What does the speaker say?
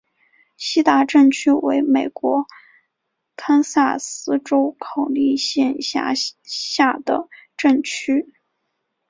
锡达镇区为美国堪萨斯州考利县辖下的镇区。